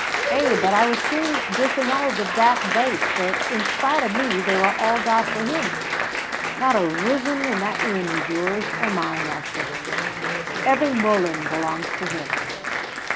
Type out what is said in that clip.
Ay; but I was soon disannulled o' that thait, for, in spite of me, they were all got for him. Not a rissom in that room is yours or mine, Elspeth; every muhlen belongs to him."